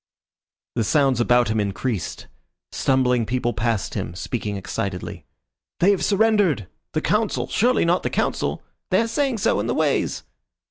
The sounds about him increased. Stumbling people passed him, speaking excitedly. "They have surrendered!" "The Council! Surely not the Council!" "They are saying so in the Ways."